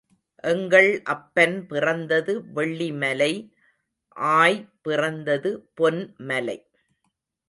எங்கள் அப்பன் பிறந்தது வெள்ளி மலை ஆய் பிறந்தது பொன் மலை.